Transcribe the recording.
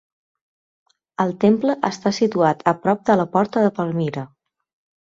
El temple està situat a prop de la Porta de Palmira.